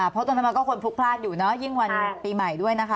เพราะตอนนี้ก็คนพุกพราชอยู่นะยิ่งวันปีใหม่ด้วยนะคะ